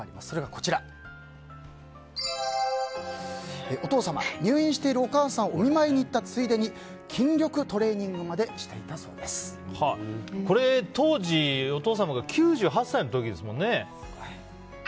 それが、お父様入院しているお母様をお見舞いに行ったついでに筋力トレーニングまでこれ、当時お父様が９８歳の時ですもんね。